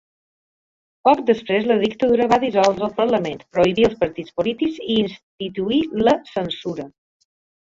Por després la dictadura va dissoldre el parlament, prohibir els partits polítics i instituir la censura.